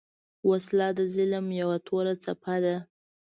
وسله د ظلم یو توره څپه ده